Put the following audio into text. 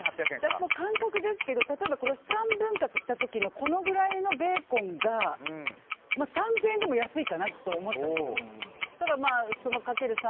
私も感覚ですけど３分割した時のこのぐらいのベーコンが３０００円でも安いかなと思ってます。